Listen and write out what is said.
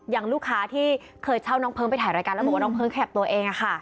อย่างลูกค้าที่เคยเช่าน้องเพลิงไปถ่ายรายการแล้วบอกว่าน้องเพิ้งแคปตัวเอง